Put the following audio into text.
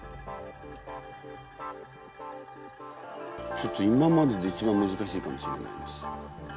ちょっと今までで一番難しいかもしれないです。